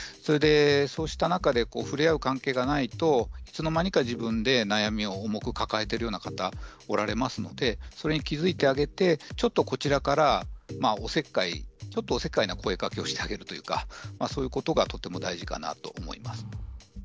そうした中で触れ合う関係がないといつの間にか自分で悩みを抱えているような方、おられますので、それに気付いてあげて、ちょっとこちらからおせっかいな声かけをしてあげる、そういうことがとても大事かなと思います。